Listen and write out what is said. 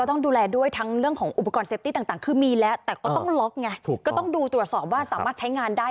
ต้องล็อกไงก็ต้องดูตรวจสอบว่าสามารถใช้งานได้